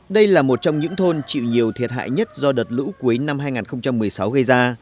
đây là một trong những thôn chịu nhiều thiệt hại nhất do đợt lũ cuối năm hai nghìn một mươi sáu gây ra